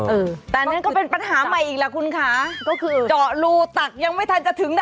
เออแต่อันนั้นก็เป็นปัญหาใหม่อีกแหละคุณค่ะก็คือเจาะรูตักยังไม่ทันจะถึงน่ะ